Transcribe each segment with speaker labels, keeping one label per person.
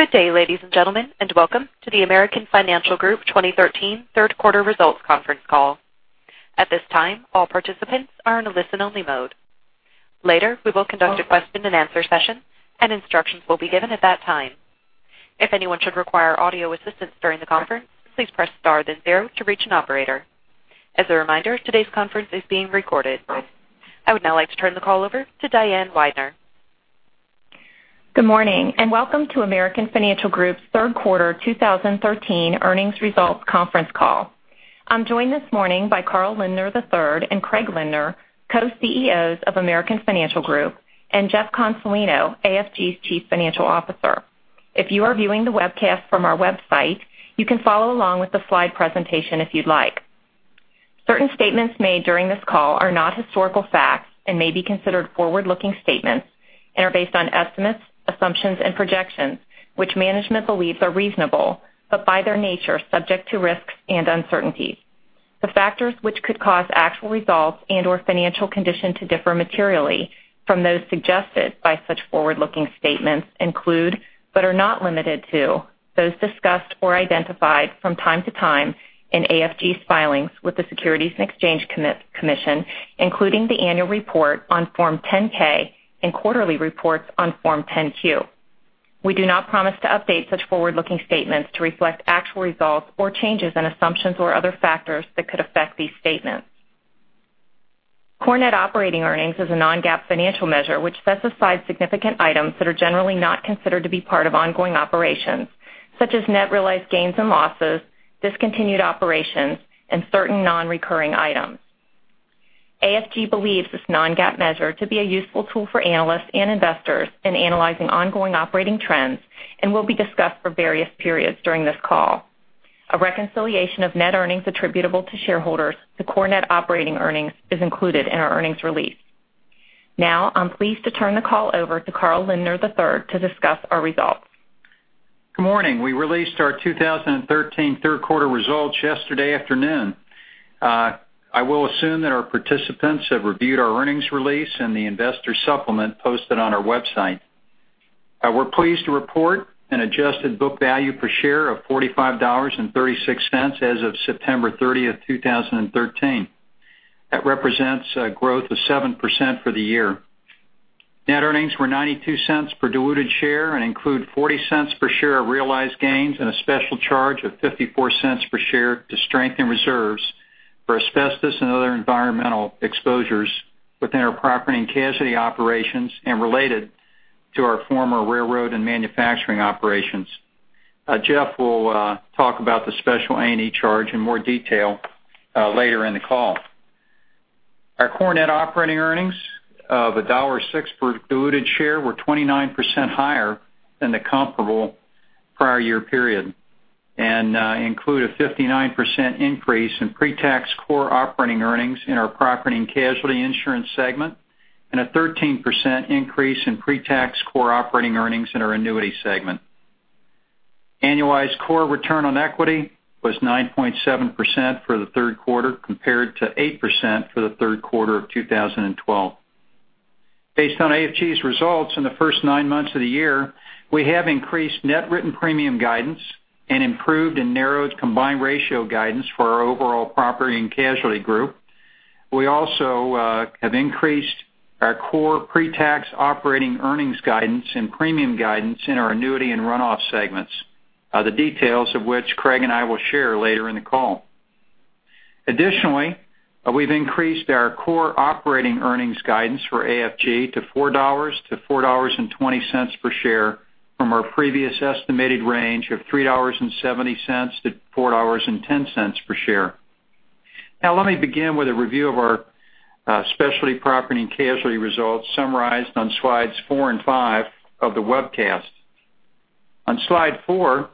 Speaker 1: Good day, ladies and gentlemen, welcome to the American Financial Group 2013 third quarter results conference call. At this time, all participants are in listen only mode. Later, we will conduct a question and answer session, and instructions will be given at that time. If anyone should require audio assistance during the conference, please press star then zero to reach an operator. As a reminder, today's conference is being recorded. I would now like to turn the call over to Diane Weidner.
Speaker 2: Good morning, welcome to American Financial Group's third quarter 2013 earnings results conference call. I'm joined this morning by Carl Lindner III and Craig Lindner, Co-CEOs of American Financial Group, and Jeff Consolino, AFG's Chief Financial Officer. If you are viewing the webcast from our website, you can follow along with the slide presentation if you'd like. Certain statements made during this call are not historical facts and may be considered forward-looking statements, are based on estimates, assumptions, and projections which management believes are reasonable. By their nature, subject to risks and uncertainties. The factors which could cause actual results and/or financial condition to differ materially from those suggested by such forward-looking statements include, are not limited to, those discussed or identified from time to time in AFG's filings with the Securities and Exchange Commission, including the annual report on Form 10-K and quarterly reports on Form 10-Q. We do not promise to update such forward-looking statements to reflect actual results or changes in assumptions or other factors that could affect these statements. Core net operating earnings is a non-GAAP financial measure, which sets aside significant items that are generally not considered to be part of ongoing operations, such as net realized gains and losses, discontinued operations, and certain non-recurring items. AFG believes this non-GAAP measure to be a useful tool for analysts and investors in analyzing ongoing operating trends and will be discussed for various periods during this call. A reconciliation of net earnings attributable to shareholders to core net operating earnings is included in our earnings release. I'm pleased to turn the call over to Carl Lindner III to discuss our results.
Speaker 3: Good morning. We released our 2013 third quarter results yesterday afternoon. I will assume that our participants have reviewed our earnings release and the investor supplement posted on our website. We are pleased to report an adjusted book value per share of $45.36 as of September 30th, 2013. That represents a growth of 7% for the year. Net earnings were $0.92 per diluted share and include $0.40 per share of realized gains and a special charge of $0.54 per share to strengthen reserves for asbestos and other environmental exposures within our property and casualty operations and related to our former railroad and manufacturing operations. Jeff will talk about the special A&E charge in more detail later in the call. Our core net operating earnings of $1.06 per diluted share were 29% higher than the comparable prior year period, and include a 59% increase in pre-tax core operating earnings in our property and casualty insurance segment, and a 13% increase in pre-tax core operating earnings in our annuity segment. Annualized core return on equity was 9.7% for the third quarter, compared to 8% for the third quarter of 2012. Based on AFG's results in the first nine months of the year, we have increased net written premium guidance and improved and narrowed combined ratio guidance for our overall property and casualty group. We also have increased our core pre-tax operating earnings guidance and premium guidance in our annuity and runoff segments, the details of which Craig and I will share later in the call. Additionally, we have increased our core operating earnings guidance for AFG to $4.00-$4.20 per share from our previous estimated range of $3.70-$4.10 per share. Now let me begin with a review of our specialty property and casualty results summarized on slides four and five of the webcast. On slide four,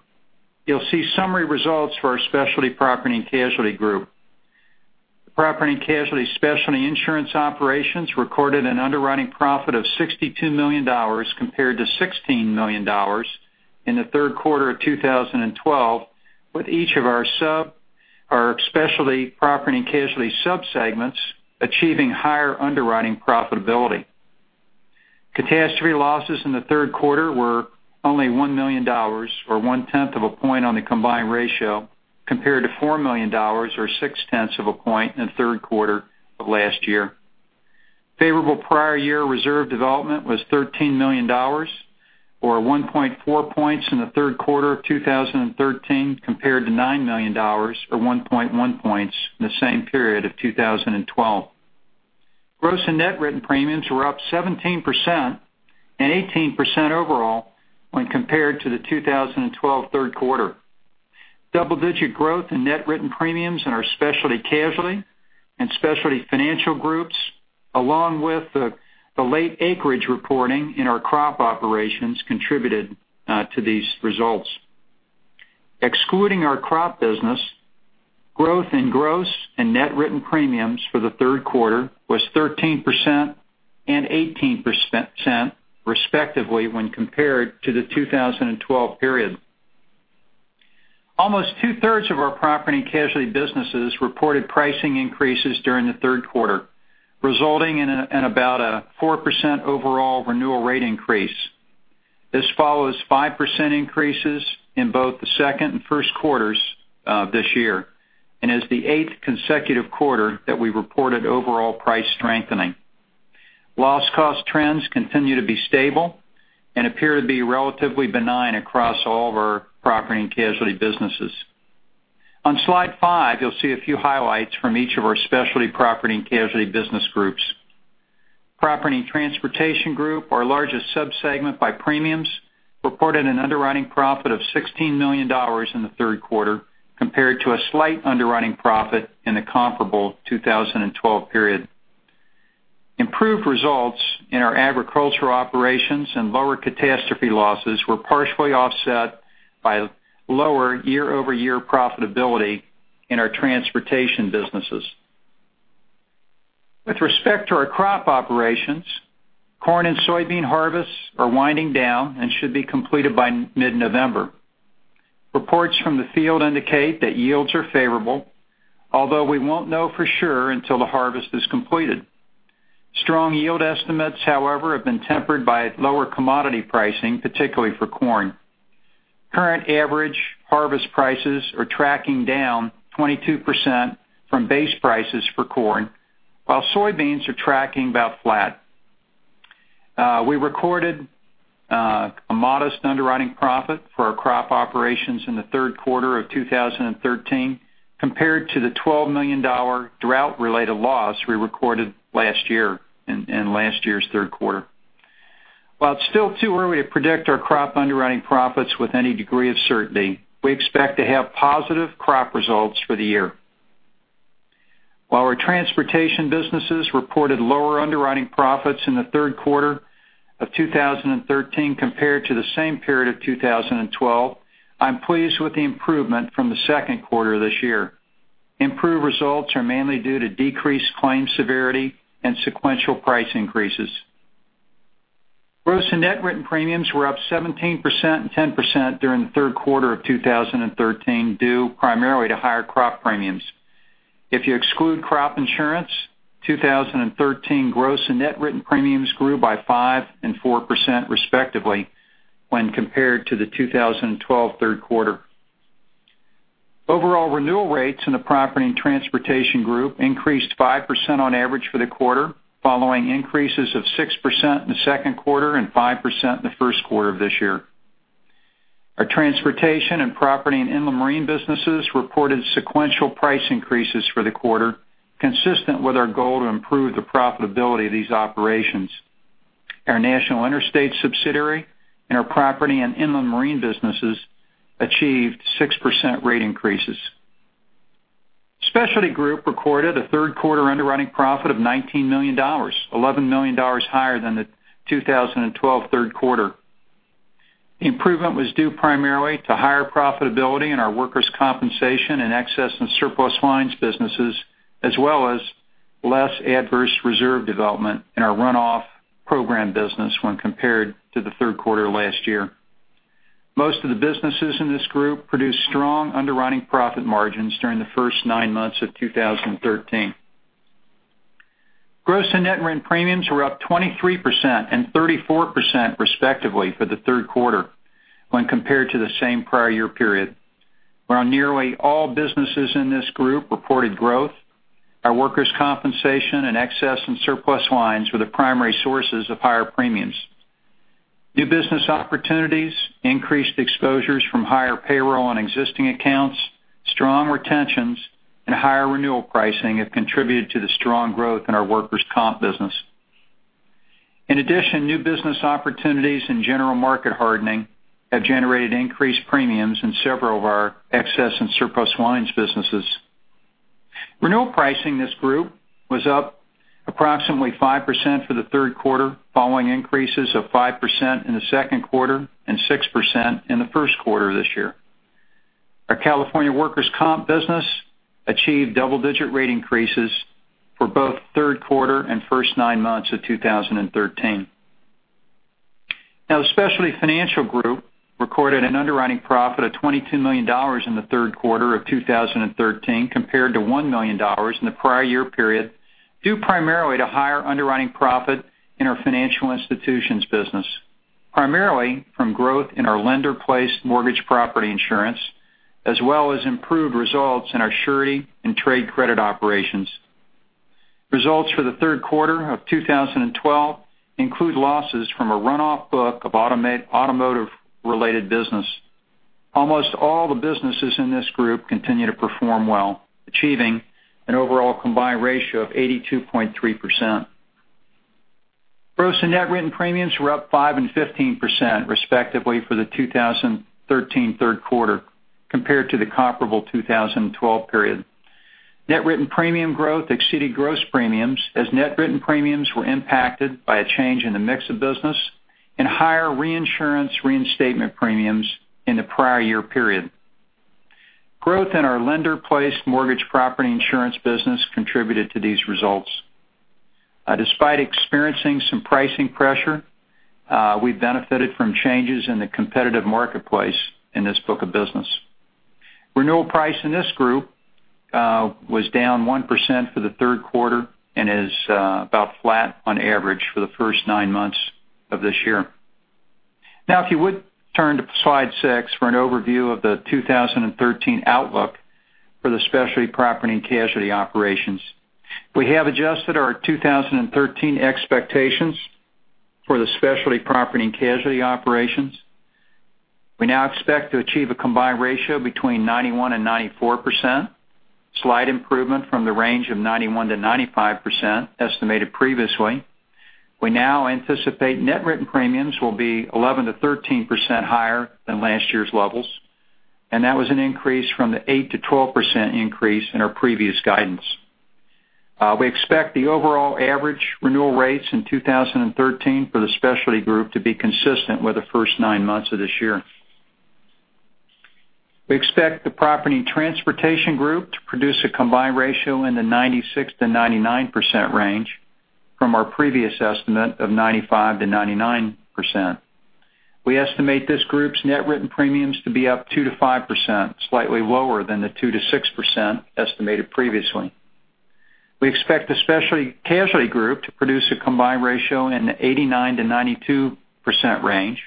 Speaker 3: you will see summary results for our specialty property and casualty group. The property and casualty specialty insurance operations recorded an underwriting profit of $62 million compared to $16 million in the third quarter of 2012, with each of our specialty property and casualty sub-segments achieving higher underwriting profitability. Catastrophe losses in the third quarter were only $1 million, or one tenth of a point on the combined ratio, compared to $4 million or six tenths of a point in the third quarter of last year. Favorable prior year reserve development was $13 million, or 1.4 points in the third quarter of 2013 compared to $9 million, or 1.1 points in the same period of 2012. Gross and net written premiums were up 17% and 18% overall when compared to the 2012 third quarter. Double-digit growth in net written premiums in our Specialty Casualty and Specialty Financial Groups, along with the late acreage reporting in our crop operations contributed to these results. Excluding our crop business, growth in gross and net written premiums for the third quarter was 13% and 18%, respectively, when compared to the 2012 period. Almost two-thirds of our property and casualty businesses reported pricing increases during the third quarter, resulting in about a 4% overall renewal rate increase. This follows 5% increases in both the second and first quarters of this year and is the eighth consecutive quarter that we reported overall price strengthening. Loss cost trends continue to be stable and appear to be relatively benign across all of our property and casualty businesses. On slide five, you'll see a few highlights from each of our specialty property and casualty business groups. Property and Transportation Group, our largest sub-segment by premiums, reported an underwriting profit of $16 million in the third quarter, compared to a slight underwriting profit in the comparable 2012 period. Improved results in our agricultural operations and lower catastrophe losses were partially offset by lower year-over-year profitability in our transportation businesses. With respect to our crop operations, corn and soybean harvests are winding down and should be completed by mid-November. Reports from the field indicate that yields are favorable, although we won't know for sure until the harvest is completed. Strong yield estimates, however, have been tempered by lower commodity pricing, particularly for corn. Current average harvest prices are tracking down 22% from base prices for corn, while soybeans are tracking about flat. We recorded a modest underwriting profit for our crop operations in the third quarter of 2013 compared to the $12 million drought-related loss we recorded last year in last year's third quarter. While it's still too early to predict our crop underwriting profits with any degree of certainty, we expect to have positive crop results for the year. While our transportation businesses reported lower underwriting profits in the third quarter of 2013 compared to the same period of 2012, I'm pleased with the improvement from the second quarter of this year. Improved results are mainly due to decreased claim severity and sequential price increases. Gross and net written premiums were up 17% and 10% during the third quarter of 2013, due primarily to higher crop premiums. If you exclude crop insurance, 2013 gross and net written premiums grew by 5% and 4% respectively when compared to the 2012 third quarter. Overall renewal rates in the Property and Transportation Group increased 5% on average for the quarter, following increases of 6% in the second quarter and 5% in the first quarter of this year. Our transportation and property and inland marine businesses reported sequential price increases for the quarter, consistent with our goal to improve the profitability of these operations. Our National Interstate subsidiary and our property and inland marine businesses achieved 6% rate increases. Specialty Group recorded a third quarter underwriting profit of $19 million, $11 million higher than the 2012 third quarter. The improvement was due primarily to higher profitability in our workers' compensation and excess in surplus lines businesses, as well as less adverse reserve development in our run-off program business when compared to the third quarter last year. Most of the businesses in this group produced strong underwriting profit margins during the first nine months of 2013. Gross and net written premiums were up 23% and 34% respectively for the third quarter when compared to the same prior year period, where nearly all businesses in this group reported growth. Our workers' compensation and excess and surplus lines were the primary sources of higher premiums. New business opportunities, increased exposures from higher payroll on existing accounts, strong retentions, and higher renewal pricing have contributed to the strong growth in our workers' comp business. In addition, new business opportunities and general market hardening have generated increased premiums in several of our excess and surplus lines businesses. Renewal pricing in this group was up approximately 5% for the third quarter, following increases of 5% in the second quarter and 6% in the first quarter of this year. Our California workers' comp business achieved double-digit rate increases for both the third quarter and first nine months of 2013. The Specialty Financial Group recorded an underwriting profit of $22 million in the third quarter of 2013, compared to $1 million in the prior year period, due primarily to higher underwriting profit in our financial institutions business, primarily from growth in our lender-placed mortgage property insurance, as well as improved results in our surety and trade credit operations. Results for the third quarter of 2012 include losses from a run-off book of automotive related business. Almost all the businesses in this group continue to perform well, achieving an overall combined ratio of 82.3%. Gross and net written premiums were up 5% and 15% respectively for the 2013 third quarter compared to the comparable 2012 period. Net written premium growth exceeded gross premiums as net written premiums were impacted by a change in the mix of business and higher reinsurance reinstatement premiums in the prior year period. Growth in our lender-placed mortgage property insurance business contributed to these results. Despite experiencing some pricing pressure, we've benefited from changes in the competitive marketplace in this book of business. Renewal price in this group was down 1% for the third quarter and is about flat on average for the first nine months of this year. If you would turn to slide six for an overview of the 2013 outlook for the Specialty Property and Casualty Operations. We have adjusted our 2013 expectations for the Specialty Property and Casualty Operations. We now expect to achieve a combined ratio between 91%-94%, slight improvement from the range of 91%-95% estimated previously. We now anticipate net written premiums will be 11%-13% higher than last year's levels, that was an increase from the 8%-12% increase in our previous guidance. We expect the overall average renewal rates in 2013 for the Specialty Group to be consistent with the first nine months of this year. We expect the Property Transportation Group to produce a combined ratio in the 96%-99% range from our previous estimate of 95%-99%. We estimate this group's net written premiums to be up 2%-5%, slightly lower than the 2%-6% estimated previously. We expect the Specialty Casualty Group to produce a combined ratio in the 89%-92% range,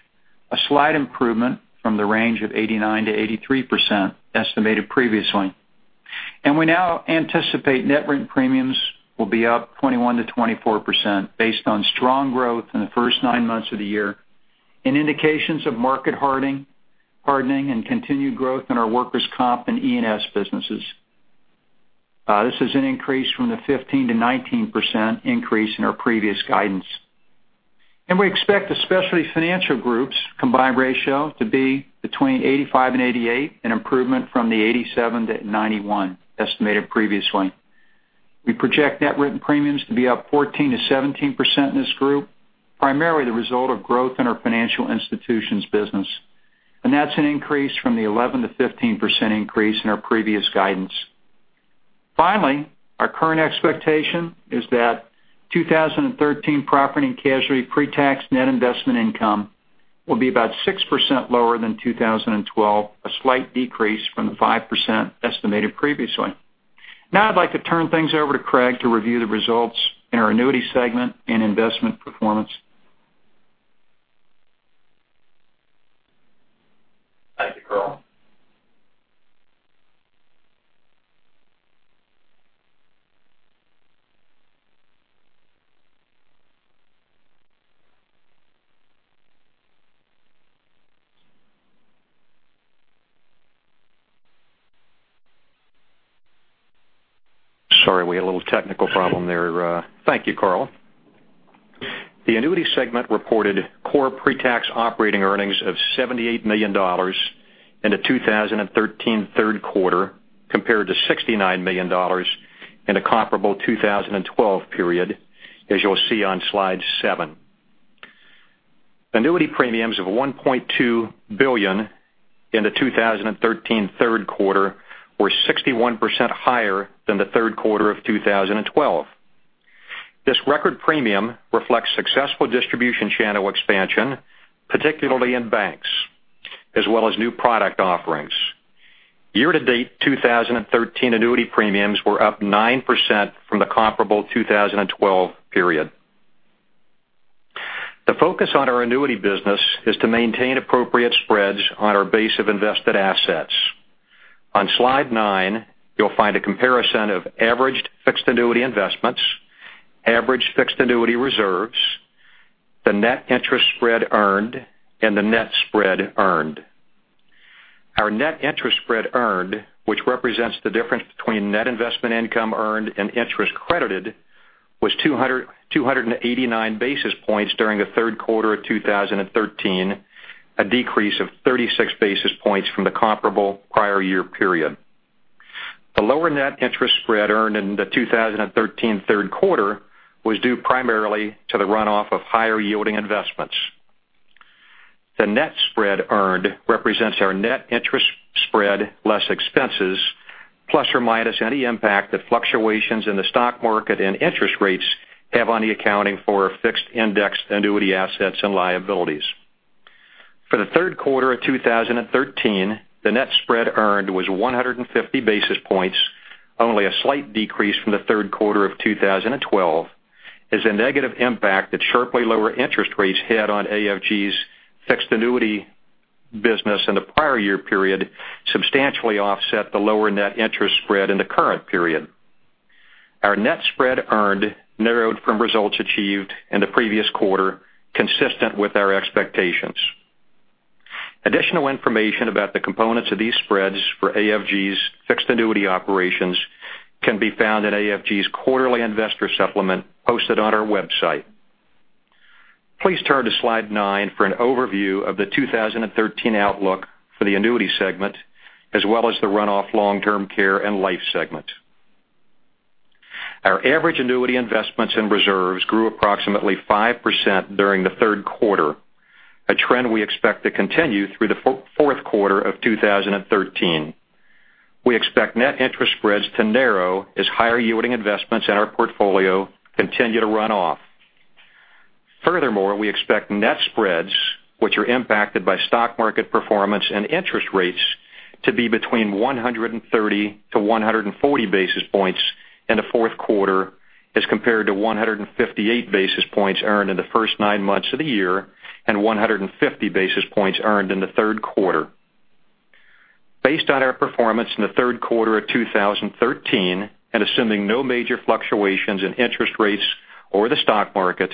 Speaker 3: a slight improvement from the range of 89%-83% estimated previously. We now anticipate net written premiums will be up 21%-24% based on strong growth in the first nine months of the year and indications of market hardening and continued growth in our workers' comp and E&S businesses. This is an increase from the 15%-19% increase in our previous guidance. We expect the Specialty Financial Group's combined ratio to be between 85-88, an improvement from the 87-91 estimated previously. We project net written premiums to be up 14%-17% in this group, primarily the result of growth in our financial institutions business. That's an increase from the 11%-15% increase in our previous guidance. Finally, our current expectation is that 2013 Property and Casualty pre-tax net investment income will be about 6% lower than 2012, a slight decrease from the 5% estimated previously. Now I'd like to turn things over to Craig to review the results in our Annuity Segment and investment performance.
Speaker 4: Thank you, Carl. Sorry, we had a little technical problem there. Thank you, Carl. The Annuity Segment reported core pre-tax operating earnings of $78 million in the 2013 third quarter, compared to $69 million in the comparable 2012 period, as you'll see on slide seven. Annuity premiums of $1.2 billion in the 2013 third quarter were 61% higher than the third quarter of 2012. This record premium reflects successful distribution channel expansion, particularly in banks, as well as new product offerings. Year-to-date 2013 annuity premiums were up 9% from the comparable 2012 period. The focus on our annuity business is to maintain appropriate spreads on our base of invested assets. On slide nine, you'll find a comparison of averaged fixed annuity investments, averaged fixed annuity reserves, the net interest spread earned, and the net spread earned. Our net interest spread earned, which represents the difference between net investment income earned and interest credited, was 289 basis points during the third quarter of 2013, a decrease of 36 basis points from the comparable prior year period. The lower net interest spread earned in the 2013 third quarter was due primarily to the runoff of higher yielding investments. The net spread earned represents our net interest spread less expenses, plus or minus any impact that fluctuations in the stock market and interest rates have on the accounting for our fixed indexed annuity assets and liabilities. For the third quarter of 2013, the net spread earned was 150 basis points, only a slight decrease from the third quarter of 2012, as the negative impact that sharply lower interest rates had on AFG's fixed annuity business in the prior year period substantially offset the lower net interest spread in the current period. Our net spread earned narrowed from results achieved in the previous quarter, consistent with our expectations. Additional information about the components of these spreads for AFG's fixed annuity operations can be found in AFG's quarterly investor supplement posted on our website. Please turn to slide nine for an overview of the 2013 outlook for the Annuity Segment, as well as the Run-off Long-Term Care and Life Segment. Our average annuity investments and reserves grew approximately 5% during the third quarter, a trend we expect to continue through the fourth quarter of 2013. We expect net interest spreads to narrow as higher-yielding investments in our portfolio continue to run off. Furthermore, we expect net spreads, which are impacted by stock market performance and interest rates, to be between 130-140 basis points in the fourth quarter as compared to 158 basis points earned in the first nine months of the year and 150 basis points earned in the third quarter. Based on our performance in the third quarter of 2013, and assuming no major fluctuations in interest rates or the stock market,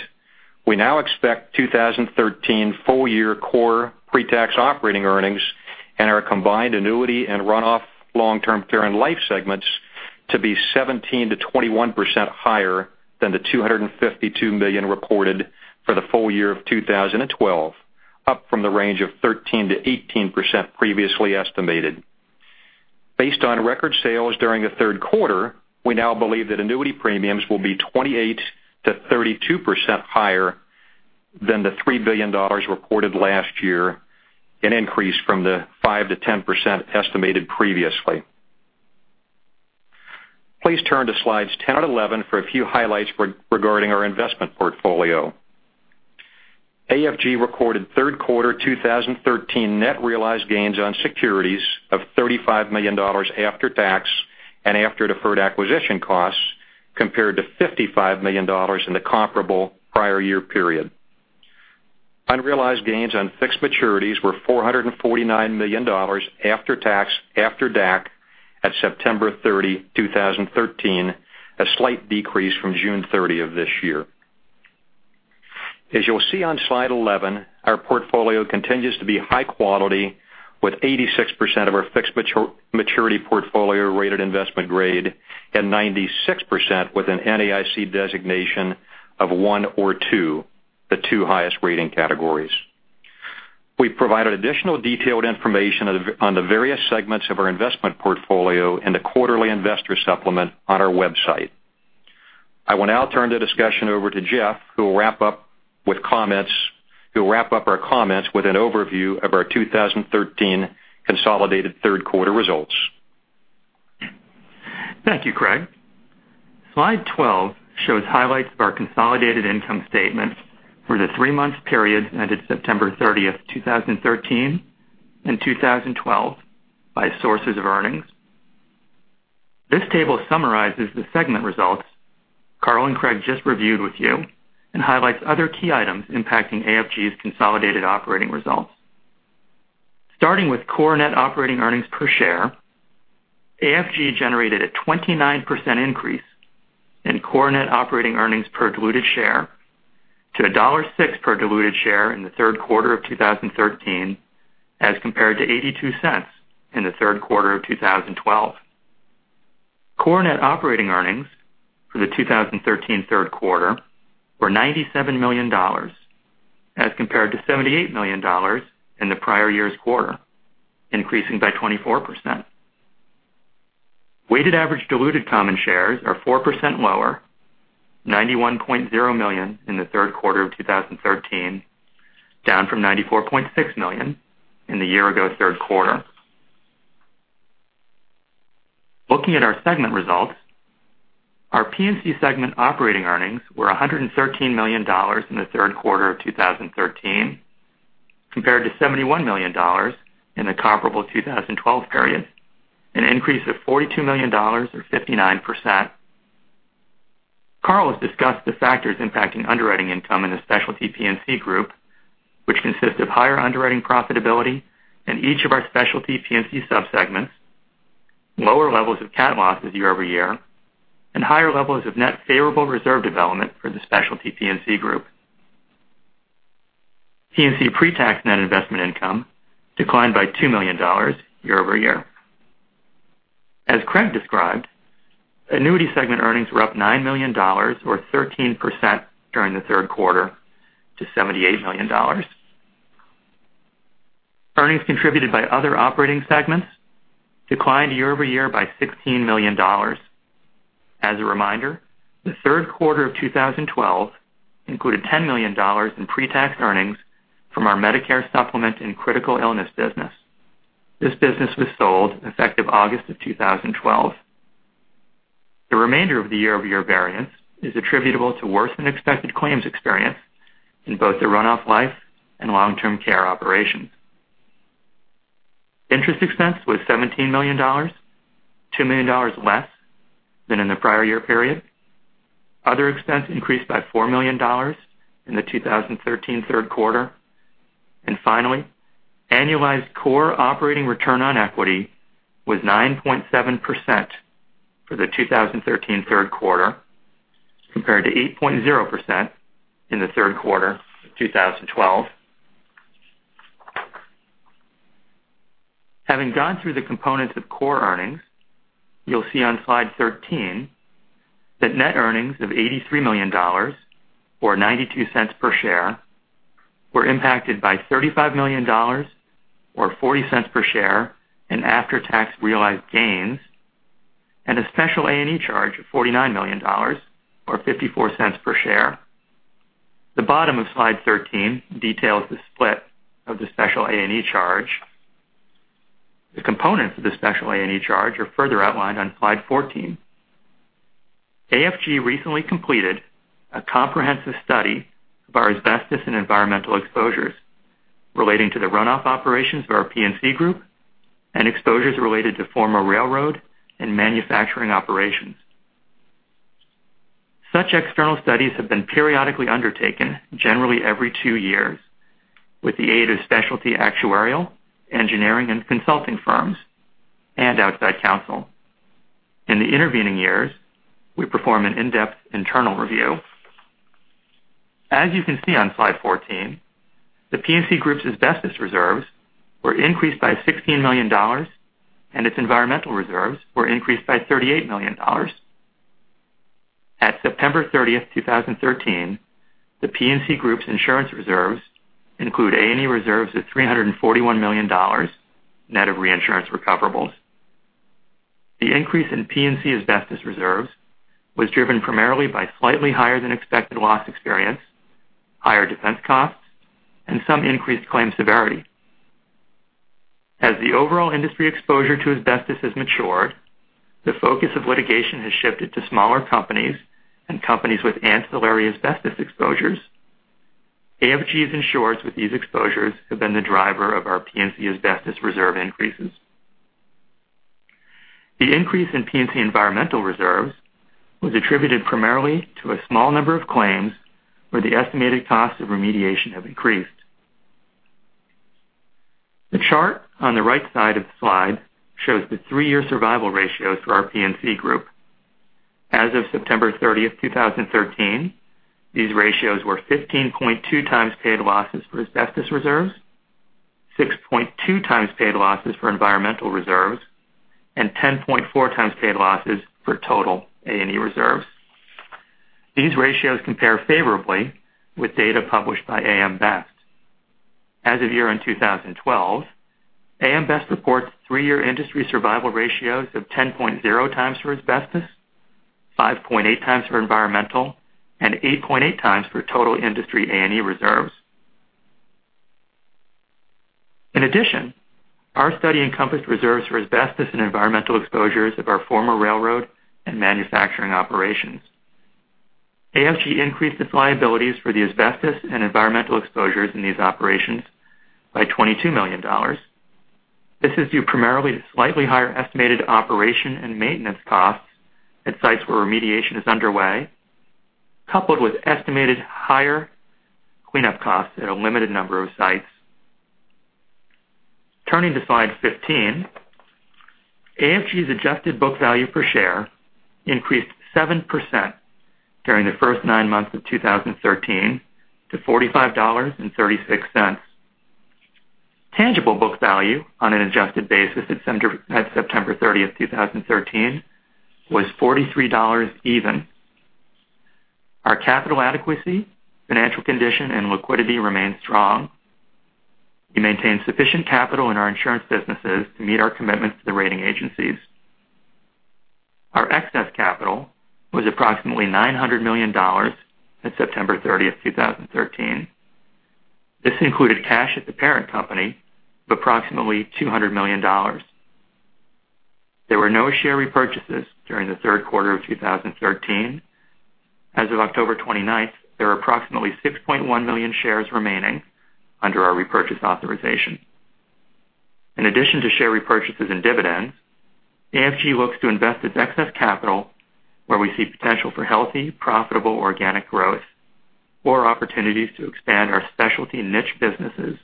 Speaker 4: we now expect 2013 full-year core pre-tax operating earnings in our combined Annuity and Run-off Long Term Care and Life segments to be 17%-21% higher than the $252 million reported for the full year of 2012, up from the range of 13%-18% previously estimated. Based on record sales during the third quarter, we now believe that annuity premiums will be 28%-32% higher than the $3 billion reported last year, an increase from the 5%-10% estimated previously. Please turn to slides 10 and 11 for a few highlights regarding our investment portfolio. AFG recorded third quarter 2013 net realized gains on securities of $35 million after tax and after deferred acquisition costs, compared to $55 million in the comparable prior year period. Unrealized gains on fixed maturities were $449 million after tax, after DAC, at September 30, 2013, a slight decrease from June 30 of this year. As you'll see on slide 11, our portfolio continues to be high quality, with 86% of our fixed maturity portfolio rated investment grade and 96% with an NAIC designation of one or two, the two highest rating categories. We provided additional detailed information on the various segments of our investment portfolio in the quarterly investor supplement on our website. I will now turn the discussion over to Jeff, who will wrap up our comments with an overview of our 2013 consolidated third quarter results.
Speaker 5: Thank you, Craig. Slide 12 shows highlights of our consolidated income statement for the three-month period ended September 30, 2013 and 2012 by sources of earnings. This table summarizes the segment results Carl and Craig just reviewed with you and highlights other key items impacting AFG's consolidated operating results. Starting with core net operating earnings per share, AFG generated a 29% increase in core net operating earnings per diluted share to $1.06 per diluted share in the third quarter of 2013 as compared to $0.82 in the third quarter of 2012. Core net operating earnings for the 2013 third quarter were $97 million as compared to $78 million in the prior year's quarter, increasing by 24%. Weighted average diluted common shares are 4% lower, 91.0 million in the third quarter of 2013, down from 94.6 million in the year ago third quarter. Looking at our segment results, our P&C segment operating earnings were $113 million in the third quarter of 2013 compared to $71 million in the comparable 2012 period, an increase of $42 million or 59%. Carl has discussed the factors impacting underwriting income in the Specialty P&C Group, which consist of higher underwriting profitability in each of our specialty P&C sub-segments, lower levels of cat losses year-over-year, and higher levels of net favorable reserve development for the Specialty P&C Group. P&C pre-tax net investment income declined by $2 million year-over-year. As Craig described, Annuity segment earnings were up $9 million or 13% during the third quarter to $78 million. Earnings contributed by other operating segments declined year-over-year by $16 million. As a reminder, the third quarter of 2012 included $10 million in pre-tax earnings from our Medicare supplement and critical illness business. This business was sold effective August of 2012. The remainder of the year-over-year variance is attributable to worse-than-expected claims experience in both the Run-off Life and Long Term Care operations. Interest expense was $17 million, $2 million less than in the prior year period. Other expense increased by $4 million in the 2013 third quarter. Finally, annualized core operating return on equity was 9.7% for the 2013 third quarter, compared to 8.0% in the third quarter of 2012. Having gone through the components of core earnings, you'll see on slide 13 that net earnings of $83 million, or $0.92 per share, were impacted by $35 million or $0.40 per share in after-tax realized gains and a special A&E charge of $49 million or $0.54 per share. The bottom of slide 13 details the split of the special A&E charge. The components of the special A&E charge are further outlined on slide 14. AFG recently completed a comprehensive study of our asbestos and environmental exposures relating to the runoff operations of our P&C group and exposures related to former railroad and manufacturing operations. Such external studies have been periodically undertaken, generally every two years, with the aid of specialty actuarial, engineering, and consulting firms and outside counsel. In the intervening years, we perform an in-depth internal review. As you can see on slide 14, the P&C group's asbestos reserves were increased by $16 million, and its environmental reserves were increased by $38 million. At September 30th, 2013, the P&C group's insurance reserves include A&E reserves of $341 million, net of reinsurance recoverables. The increase in P&C asbestos reserves was driven primarily by slightly higher than expected loss experience, higher defense costs, and some increased claim severity. As the overall industry exposure to asbestos has matured, the focus of litigation has shifted to smaller companies and companies with ancillary asbestos exposures. AFG's insureds with these exposures have been the driver of our P&C asbestos reserve increases. The increase in P&C environmental reserves was attributed primarily to a small number of claims where the estimated cost of remediation have increased. The chart on the right side of the slide shows the three-year survival ratios for our P&C group. As of September 30th, 2013, these ratios were 15.2 times paid losses for asbestos reserves, 6.2 times paid losses for environmental reserves, and 10.4 times paid losses for total A&E reserves. These ratios compare favorably with data published by AM Best. As of year-end 2012, AM Best reports three-year industry survival ratios of 10.0 times for asbestos, 5.8 times for environmental, and 8.8 times for total industry A&E reserves. In addition, our study encompassed reserves for asbestos and environmental exposures of our former railroad and manufacturing operations. AFG increased its liabilities for the asbestos and environmental exposures in these operations by $22 million. This is due primarily to slightly higher estimated operation and maintenance costs at sites where remediation is underway, coupled with estimated higher cleanup costs at a limited number of sites. Turning to slide 15, AFG's adjusted book value per share increased 7% during the first nine months of 2013 to $45.36. Tangible book value on an adjusted basis at September 30th, 2013, was $43 even. Our capital adequacy, financial condition, and liquidity remain strong. We maintain sufficient capital in our insurance businesses to meet our commitments to the rating agencies. Our excess capital was approximately $900 million as of September 30th, 2013. This included cash at the parent company of approximately $200 million. There were no share repurchases during the third quarter of 2013. As of October 29th, there are approximately 6.1 million shares remaining under our repurchase authorization. In addition to share repurchases and dividends, AFG looks to invest its excess capital where we see potential for healthy, profitable organic growth or opportunities to expand our specialty niche businesses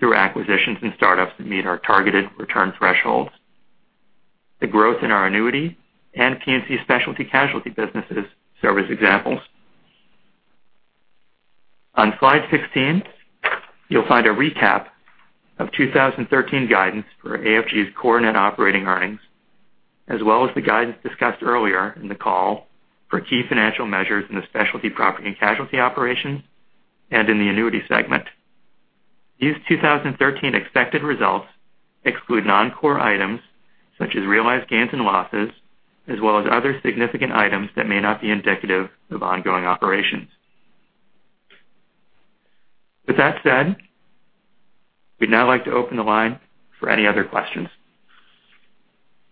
Speaker 5: through acquisitions and startups that meet our targeted return thresholds. The growth in our annuity and P&C Specialty Casualty businesses serve as examples. On slide 16, you'll find a recap of 2013 guidance for AFG's core net operating earnings, as well as the guidance discussed earlier in the call for key financial measures in the Specialty Property and Casualty operations and in the annuity segment. These 2013 expected results exclude non-core items such as realized gains and losses, as well as other significant items that may not be indicative of ongoing operations. With that said, we'd now like to open the line for any other questions.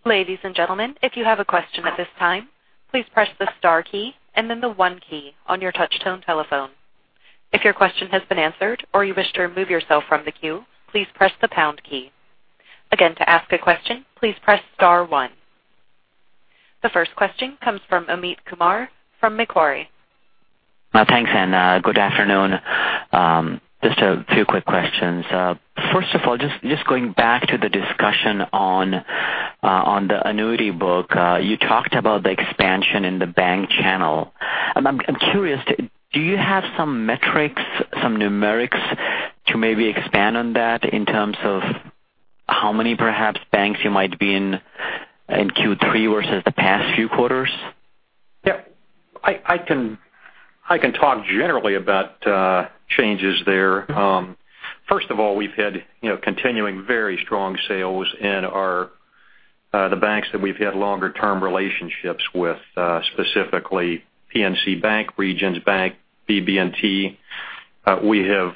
Speaker 1: Ladies and gentlemen, if you have a question at this time, please press the star key and then the one key on your touchtone telephone. If your question has been answered or you wish to remove yourself from the queue, please press the pound key. Again, to ask a question, please press star one. The first question comes from Amit Kumar from Macquarie.
Speaker 6: Thanks, good afternoon. Just a few quick questions. First of all, just going back to the discussion on the annuity book. You talked about the expansion in the bank channel. I'm curious, do you have some metrics, some numerics to maybe expand on that in terms of how many perhaps banks you might be in Q3 versus the past few quarters?
Speaker 4: Yeah. I can talk generally about changes there. First of all, we've had continuing very strong sales in our The banks that we've had longer-term relationships with, specifically PNC Bank, Regions Bank, BB&T. We have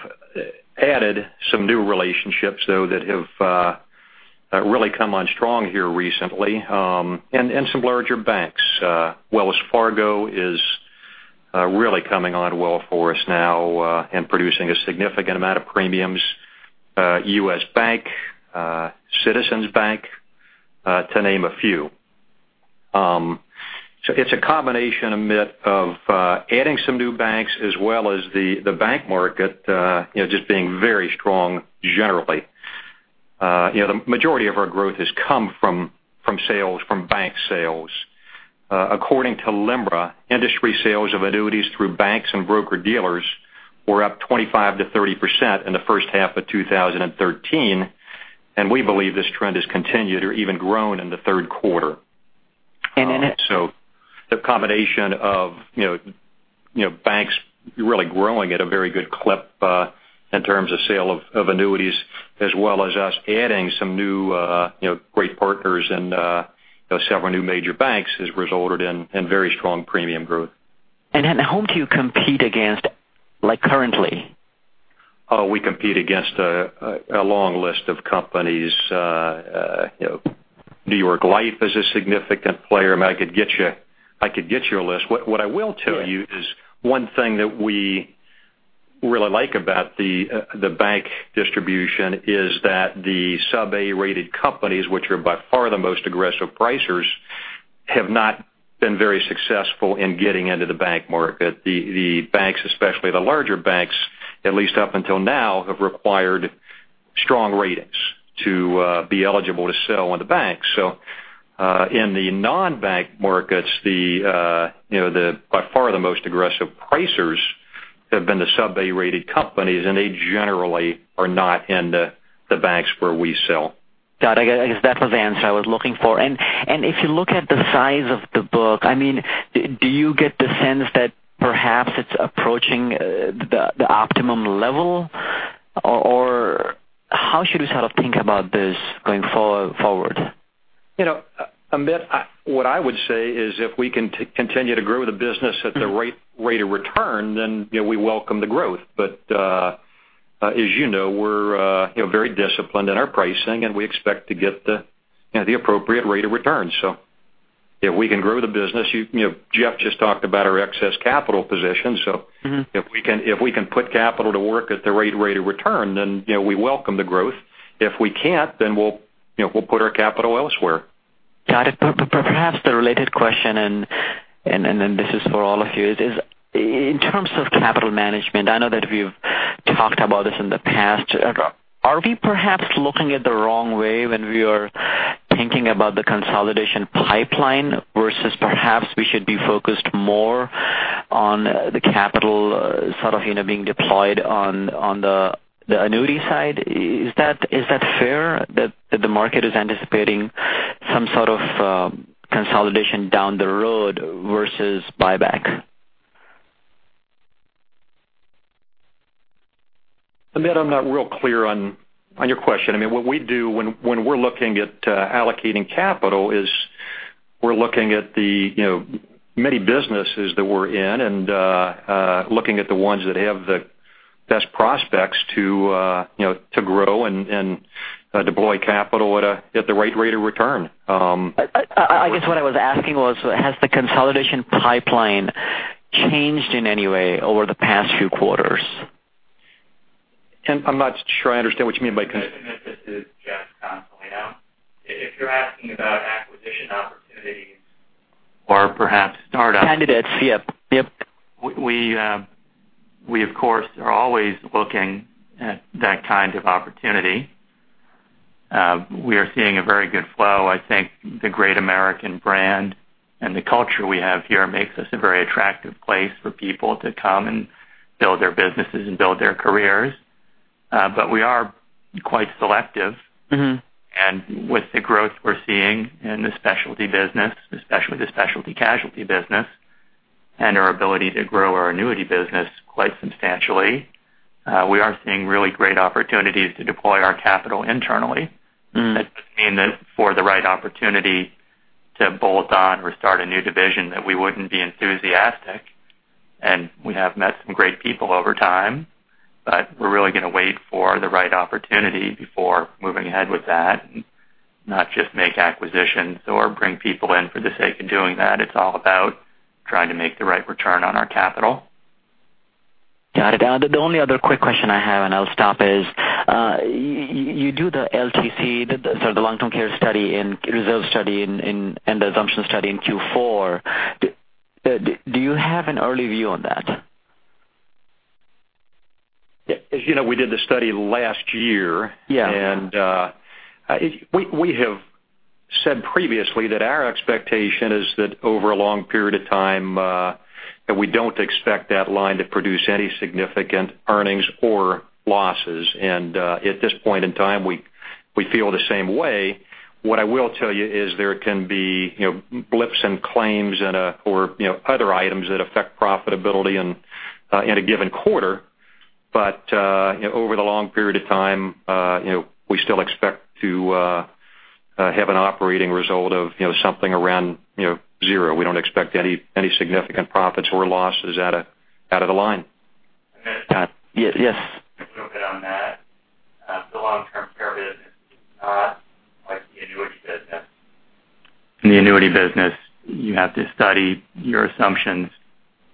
Speaker 4: added some new relationships, though, that have really come on strong here recently, and some larger banks. Wells Fargo is really coming on well for us now, and producing a significant amount of premiums. U.S. Bank, Citizens Bank, to name a few. It's a combination, Amit, of adding some new banks as well as the bank market just being very strong generally. The majority of our growth has come from bank sales. According to LIMRA, industry sales of annuities through banks and broker-dealers were up 25%-30% in the first half of 2013, and we believe this trend has continued or even grown in the third quarter.
Speaker 6: in it-
Speaker 4: The combination of banks really growing at a very good clip in terms of sale of annuities, as well as us adding some new great partners and several new major banks, has resulted in very strong premium growth.
Speaker 6: Whom do you compete against currently?
Speaker 4: Oh, we compete against a long list of companies. New York Life is a significant player. I could get you a list. What I will tell you is one thing that we really like about the bank distribution is that the sub-A-rated companies, which are by far the most aggressive pricers, have not been very successful in getting into the bank market. The banks, especially the larger banks, at least up until now, have required strong ratings to be eligible to sell in the banks. In the non-bank markets, by far the most aggressive pricers have been the sub-A-rated companies, and they generally are not in the banks where we sell.
Speaker 6: Got it. I guess that was the answer I was looking for. If you look at the size of the book, do you get the sense that perhaps it's approaching the optimum level? Or how should we sort of think about this going forward?
Speaker 4: Amit, what I would say is if we can continue to grow the business at the right rate of return, we welcome the growth. As you know, we're very disciplined in our pricing, and we expect to get the appropriate rate of return. If we can grow the business, Jeff just talked about our excess capital position. If we can put capital to work at the right rate of return, we welcome the growth. If we can't, we'll put our capital elsewhere.
Speaker 6: Got it. Perhaps the related question, and this is for all of you, is in terms of capital management, I know that we've talked about this in the past. Are we perhaps looking at the wrong way when we are thinking about the consolidation pipeline versus perhaps we should be focused more on the capital sort of being deployed on the annuity side? Is that fair that the market is anticipating some sort of consolidation down the road versus buyback?
Speaker 4: Amit, I'm not real clear on your question. What we do when we're looking at allocating capital is we're looking at the many businesses that we're in and looking at the ones that have the best prospects to grow and deploy capital at the right rate of return.
Speaker 6: I guess what I was asking was, has the consolidation pipeline changed in any way over the past few quarters?
Speaker 4: I'm not sure I understand what you mean by.
Speaker 5: Amit, this is Jeff Consolino. If you're asking about acquisition opportunities or perhaps startups.
Speaker 6: Candidates, yep.
Speaker 5: We, of course, are always looking at that kind of opportunity. We are seeing a very good flow. I think the Great American brand and the culture we have here makes us a very attractive place for people to come and build their businesses and build their careers. We are quite selective. With the growth we're seeing in the specialty business, especially the Specialty Casualty business, and our ability to grow our annuity business quite substantially, we are seeing really great opportunities to deploy our capital internally. That doesn't mean that for the right opportunity to bolt on or start a new division, that we wouldn't be enthusiastic, and we have met some great people over time, but we're really going to wait for the right opportunity before moving ahead with that and not just make acquisitions or bring people in for the sake of doing that. It's all about trying to make the right return on our capital.
Speaker 6: Got it. The only other quick question I have, and I'll stop, is you do the LTC, the Long Term Care study and reserve study and the assumption study in Q4. Do you have an early view on that?
Speaker 4: As you know, we did the study last year.
Speaker 6: Yeah.
Speaker 4: We have said previously that our expectation is that over a long period of time, that we don't expect that line to produce any significant earnings or losses. At this point in time, we feel the same way. What I will tell you is there can be blips in claims and/or other items that affect profitability in a given quarter.
Speaker 3: Over the long period of time we still expect to have an operating result of something around zero. We don't expect any significant profits or losses out of the line.
Speaker 6: Yes.
Speaker 5: A little bit on that. The long-term care business is not like the annuity business. In the annuity business, you have to study your assumptions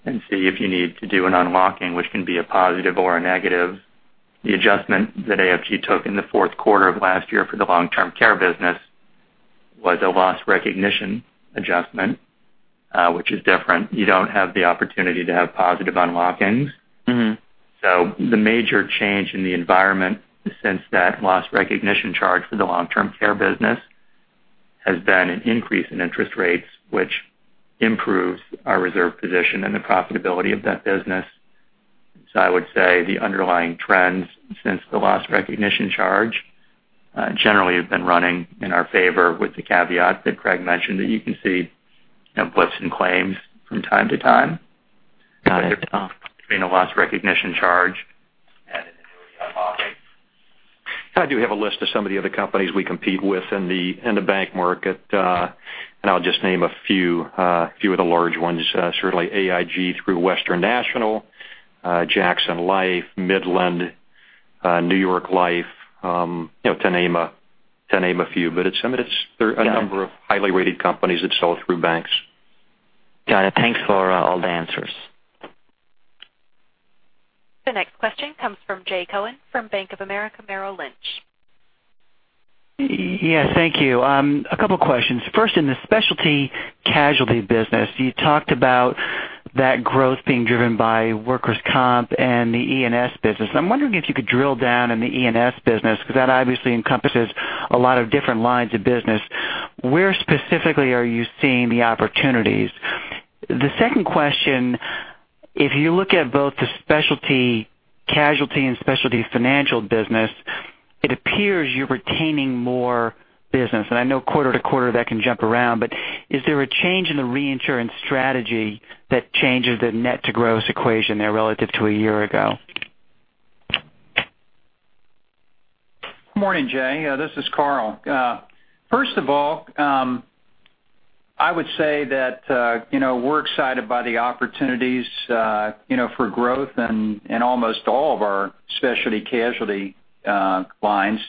Speaker 5: and see if you need to do an unlocking, which can be a positive or a negative. The adjustment that AFG took in the fourth quarter of last year for the long-term care business was a loss recognition adjustment, which is different. You don't have the opportunity to have positive unlockings. The major change in the environment since that loss recognition charge for the long-term care business has been an increase in interest rates, which improves our reserve position and the profitability of that business. I would say the underlying trends since the loss recognition charge, generally have been running in our favor with the caveat that Craig mentioned, that you can see outputs and claims from time to time.
Speaker 6: Got it.
Speaker 5: Between a loss recognition charge and an annuity unlocking.
Speaker 3: I do have a list of some of the other companies we compete with in the bank market. I'll just name a few of the large ones. Certainly AIG through Western National, Jackson Life, Midland, New York Life, to name a few. There are a number of highly rated companies that sell through banks.
Speaker 6: Got it. Thanks for all the answers.
Speaker 1: The next question comes from Jay Cohen from Bank of America Merrill Lynch.
Speaker 7: Yes. Thank you. A couple questions. First, in the Specialty Casualty business, you talked about that growth being driven by workers' comp and the E&S business. I'm wondering if you could drill down in the E&S business, because that obviously encompasses a lot of different lines of business. Where specifically are you seeing the opportunities? The second question, if you look at both the Specialty Casualty and Specialty Financial business, it appears you're retaining more business. I know quarter to quarter that can jump around. Is there a change in the reinsurance strategy that changes the net to gross equation there relative to a year ago?
Speaker 3: Morning, Jay. This is Carl. First of all, I would say that we're excited by the opportunities for growth in almost all of our Specialty Casualty lines.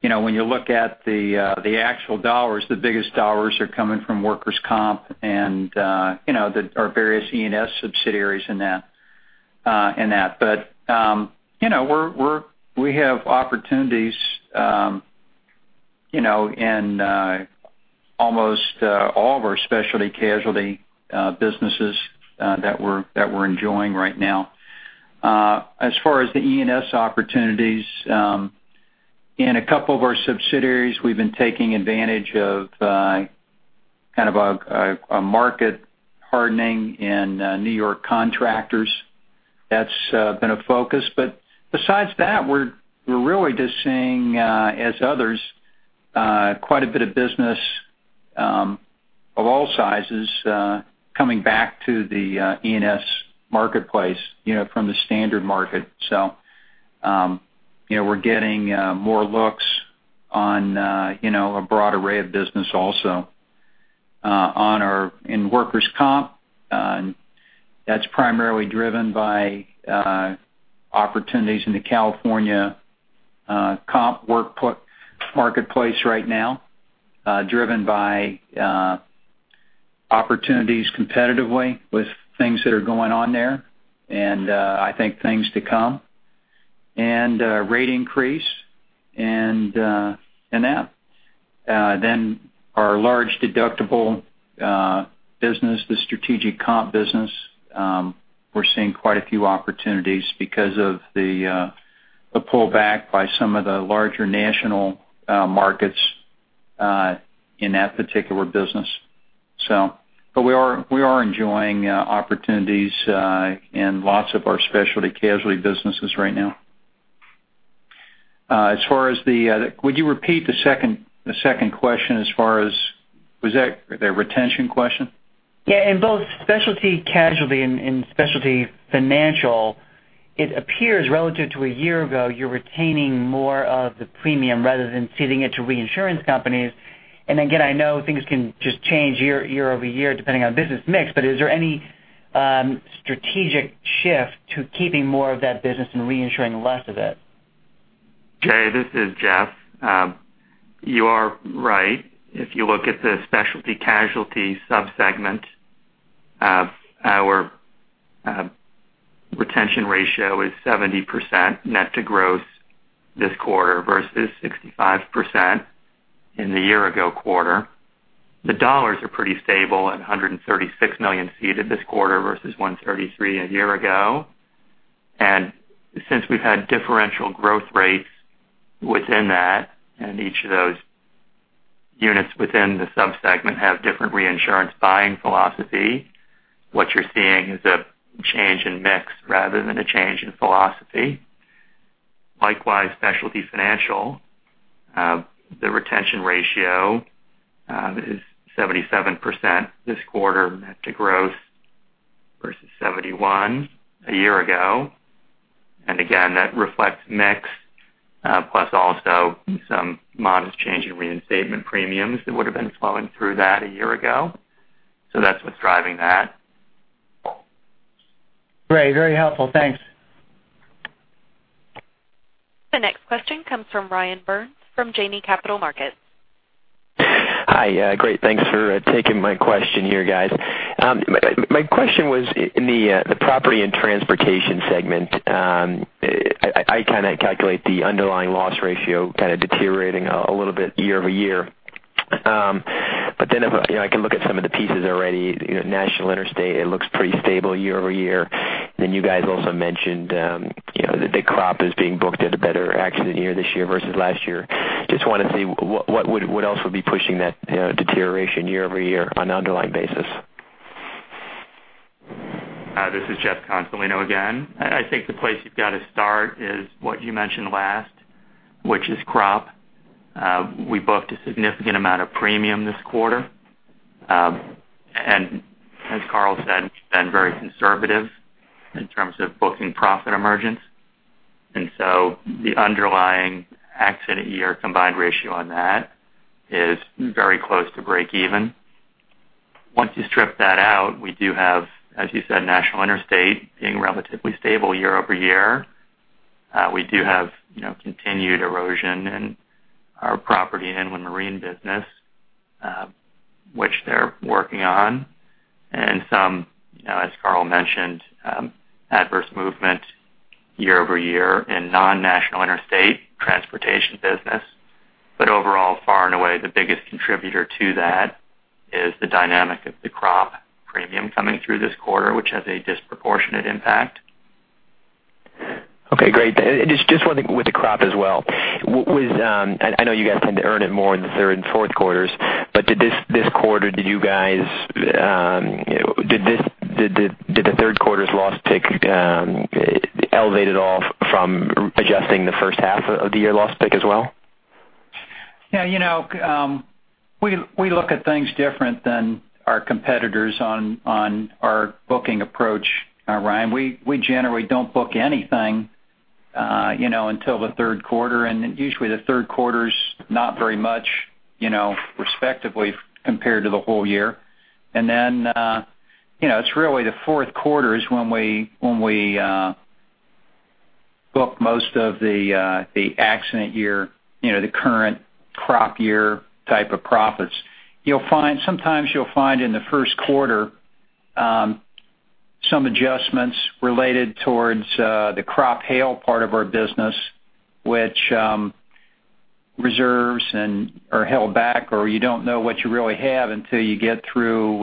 Speaker 3: When you look at the actual dollars, the biggest dollars are coming from workers' comp and our various E&S subsidiaries in that. We have opportunities in almost all of our Specialty Casualty businesses that we're enjoying right now. As far as the E&S opportunities, in a couple of our subsidiaries, we've been taking advantage of kind of a market hardening in New York contractors. That's been a focus. Besides that, we're really just seeing, as others, quite a bit of business of all sizes coming back to the E&S marketplace from the standard market. We're getting more looks on a broad array of business also. In workers' comp, that's primarily driven by opportunities in the California comp workplace right now, driven by opportunities competitively with things that are going on there, and I think things to come, and a rate increase and that. Our large deductible business, the Strategic Comp business, we're seeing quite a few opportunities because of the pullback by some of the larger national markets in that particular business. We are enjoying opportunities in lots of our Specialty Casualty businesses right now. Would you repeat the second question? Was that a retention question?
Speaker 7: Yeah. In both Specialty Casualty and Specialty Financial, it appears relative to a year ago, you're retaining more of the premium rather than ceding it to reinsurance companies. Again, I know things can just change year-over-year depending on business mix. Is there any strategic shift to keeping more of that business and reinsuring less of it?
Speaker 5: Jay, this is Jeff. You are right. If you look at the Specialty Casualty sub-segment, our retention ratio is 70% net to gross this quarter versus 65% in the year-ago quarter. The dollars are pretty stable at $136 million ceded this quarter versus $133 a year-ago. Since we've had differential growth rates within that, and each of those units within the sub-segment have different reinsurance buying philosophy, what you're seeing is a change in mix rather than a change in philosophy. Likewise, Specialty Financial, the retention ratio is 77% this quarter net to gross versus 71% a year-ago. Again, that reflects mix, plus also some modest change in reinstatement premiums that would've been flowing through that a year-ago. That's what's driving that.
Speaker 7: Great. Very helpful. Thanks.
Speaker 1: The next question comes from Ryan Burns from Janney Montgomery Scott.
Speaker 8: Hi. Great. Thanks for taking my question here, guys. My question was in the Property and Transportation Group segment. I calculate the underlying loss ratio deteriorating a little bit year-over-year. If I can look at some of the pieces already, National Interstate, it looks pretty stable year-over-year. You guys also mentioned the big crop is being booked at a better accident year this year versus last year. Just want to see what else would be pushing that deterioration year-over-year on an underlying basis.
Speaker 5: This is Jeff Consolino again. I think the place you've got to start is what you mentioned last, which is crop. We booked a significant amount of premium this quarter. As Carl said, been very conservative in terms of booking profit emergence. So the underlying accident year combined ratio on that is very close to breakeven. Once you strip that out, we do have, as you said, National Interstate being relatively stable year-over-year. We do have continued erosion in our property and marine business, which they're working on. Some, as Carl mentioned, adverse movement year-over-year in non-National Interstate transportation business. Overall, far and away, the biggest contributor to that is the dynamic of the crop premium coming through this quarter, which has a disproportionate impact.
Speaker 8: Okay, great. Just one thing with the crop as well. I know you guys tend to earn it more in the third and fourth quarters, this quarter, did the third quarter's loss pick elevate at all from adjusting the first half of the year loss pick as well?
Speaker 3: We look at things different than our competitors on our booking approach, Ryan. We generally don't book anything until the third quarter, usually the third quarter's not very much respectively compared to the whole year. It's really the fourth quarter is when we book most of the accident year, the current crop year type of profits. Sometimes you'll find in the first quarter some adjustments related towards the crop hail part of our business, which reserves and/or held back or you don't know what you really have until you get through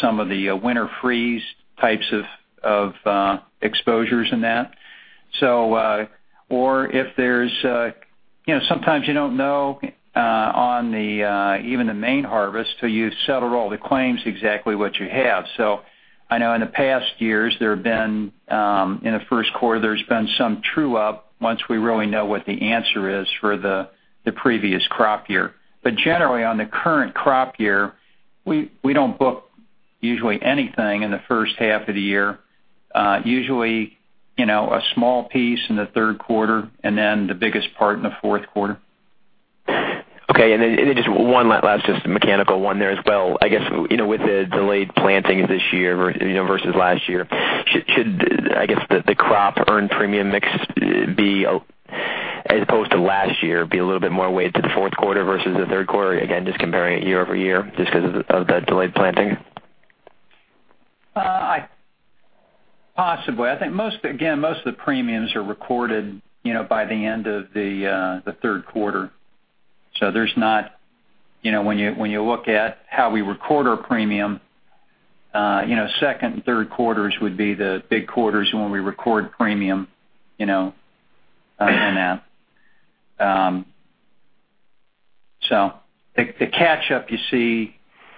Speaker 3: some of the winter freeze types of exposures in that. Sometimes you don't know on even the main harvest till you've settled all the claims exactly what you have. I know in the past years, in the first quarter, there's been some true up once we really know what the answer is for the previous crop year. Generally on the current crop year, we don't book usually anything in the first half of the year. Usually, a small piece in the third quarter, and then the biggest part in the fourth quarter.
Speaker 8: Okay. Just one last mechanical one there as well. I guess, with the delayed plantings this year versus last year, should the crop earned premium mix, as opposed to last year, be a little bit more weighted to the fourth quarter versus the third quarter? Again, just comparing it year-over-year just because of the delayed planting.
Speaker 3: Possibly. I think, again, most of the premiums are recorded by the end of the third quarter. When you look at how we record our premium, second and third quarters would be the big quarters when we record premium in that. The catch-up you see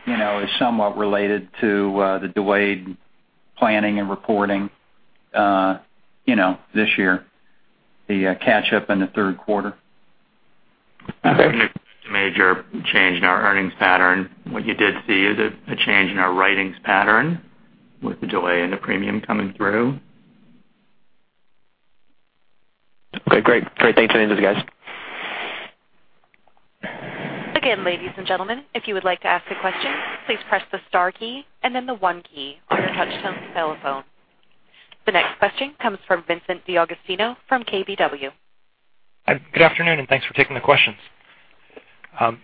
Speaker 3: is somewhat related to the delayed planting and reporting this year, the catch-up in the third quarter.
Speaker 5: It's not a major change in our earnings pattern. What you did see is a change in our writings pattern with the delay in the premium coming through.
Speaker 8: Okay, great. Thanks for the answers, guys.
Speaker 1: Again, ladies and gentlemen, if you would like to ask a question, please press the star key and then the one key on your touchtone telephone. The next question comes from Vincent D'Agostino from KBW.
Speaker 9: Good afternoon, and thanks for taking the questions.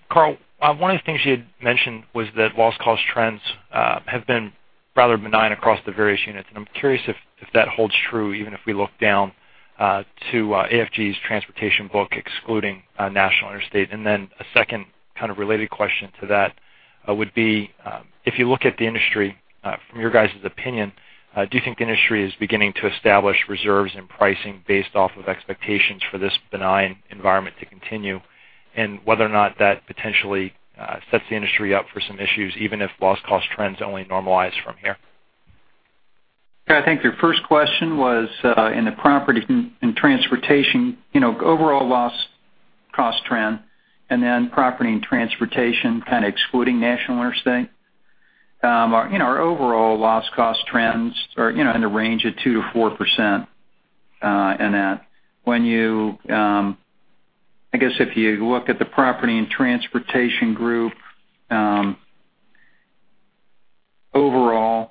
Speaker 9: Carl, one of the things you had mentioned was that loss cost trends have been rather benign across the various units. I'm curious if that holds true, even if we look down to AFG's transportation book, excluding National Interstate. A second kind of related question to that would be, if you look at the industry, from your guys' opinion, do you think the industry is beginning to establish reserves and pricing based off of expectations for this benign environment to continue? Whether or not that potentially sets the industry up for some issues, even if loss cost trends only normalize from here.
Speaker 3: I think your first question was in the Property and Transportation, overall loss cost trend, then Property and Transportation kind of excluding National Interstate. Our overall loss cost trends are in the range of 2%-4% in that. I guess if you look at the Property and Transportation Group, overall,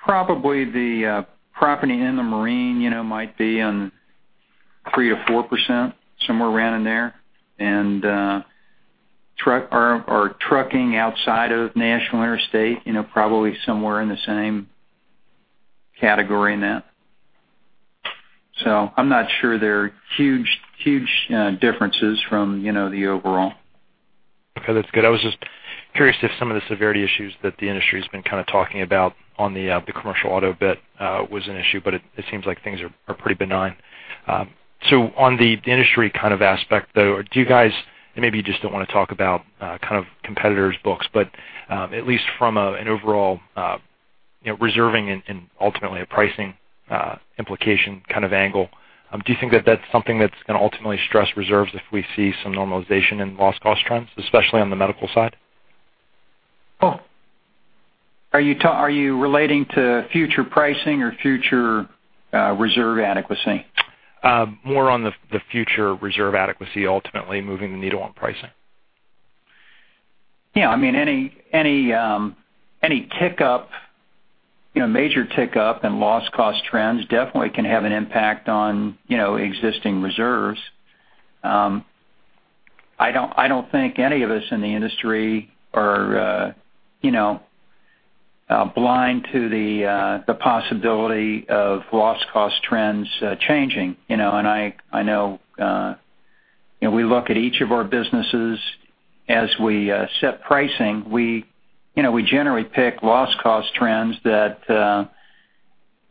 Speaker 3: probably the property and the marine might be on 3%-4%, somewhere around in there. Our trucking outside of National Interstate, probably somewhere in the same category in that. I'm not sure they're huge differences from the overall.
Speaker 9: Okay, that's good. I was just curious if some of the severity issues that the industry has been kind of talking about on the commercial auto bit was an issue, but it seems like things are pretty benign. On the industry kind of aspect, though, do you guys, and maybe you just don't want to talk about kind of competitors' books, but at least from an overall reserving and ultimately a pricing implication kind of angle, do you think that that's something that's going to ultimately stress reserves if we see some normalization in loss cost trends, especially on the medical side?
Speaker 3: Are you relating to future pricing or future reserve adequacy?
Speaker 9: More on the future reserve adequacy ultimately moving the needle on pricing.
Speaker 3: Yeah. Any major tick up in loss cost trends definitely can have an impact on existing reserves. I don't think any of us in the industry are blind to the possibility of loss cost trends changing. I know we look at each of our businesses as we set pricing. We generally pick loss cost trends that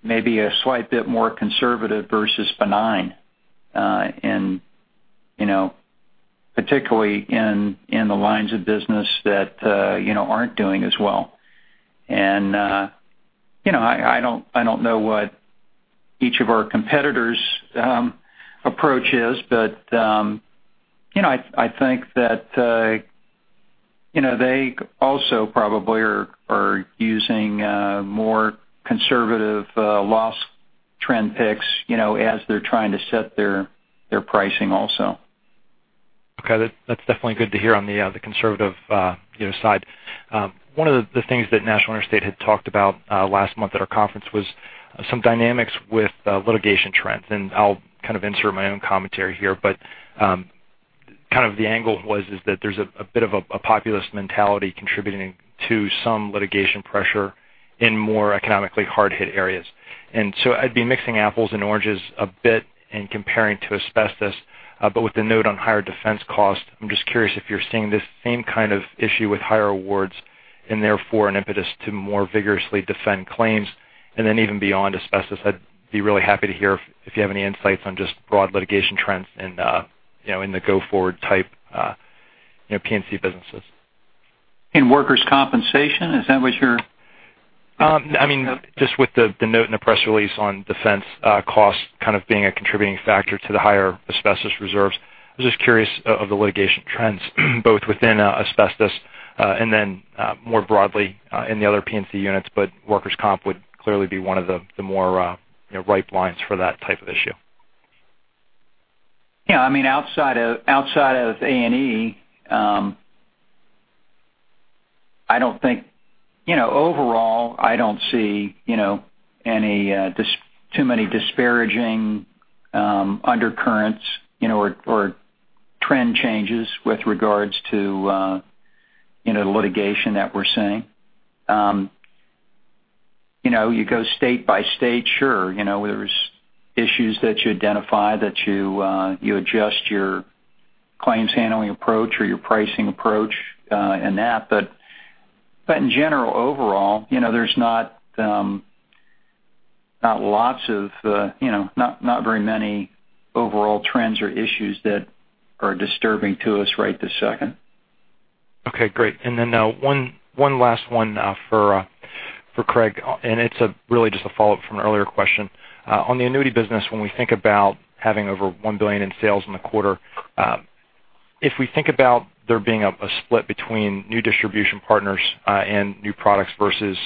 Speaker 3: may be a slight bit more conservative versus benign, and particularly in the lines of business that aren't doing as well. I don't know what each of our competitors' approach is, but I think that they also probably are using more conservative loss trend picks as they're trying to set their pricing also.
Speaker 9: That's definitely good to hear on the conservative side. One of the things that National Interstate had talked about last month at our conference was some dynamics with litigation trends, and I'll kind of insert my own commentary here, but kind of the angle was is that there's a bit of a populist mentality contributing to some litigation pressure in more economically hard-hit areas. I'd be mixing apples and oranges a bit and comparing to asbestos, but with the note on higher defense cost, I'm just curious if you're seeing this same kind of issue with higher awards and therefore an impetus to more vigorously defend claims. Even beyond asbestos, I'd be really happy to hear if you have any insights on just broad litigation trends in the go forward type P&C businesses.
Speaker 3: In workers' compensation? Is that what you're-
Speaker 9: Just with the note in the press release on defense costs kind of being a contributing factor to the higher asbestos reserves, I was just curious of the litigation trends, both within asbestos, and then more broadly in the other P&C units, but workers' comp would clearly be one of the more ripe lines for that type of issue.
Speaker 3: Outside of A&E, overall, I don't see too many disparaging undercurrents or trend changes with regards to the litigation that we're seeing. You go state by state, sure, there's issues that you identify that you adjust your claims handling approach or your pricing approach in that. In general, overall, there's not very many overall trends or issues that are disturbing to us right this second.
Speaker 9: Okay, great. Then one last one for Craig, and it's really just a follow-up from an earlier question. On the annuity business, when we think about having over $1 billion in sales in the quarter, if we think about there being a split between new distribution partners and new products versus